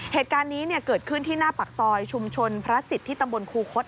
เหตุการณ์นี้เกิดขึ้นที่หน้าปากซอยชุมชนพระศิษย์ที่ตำบลคูคศ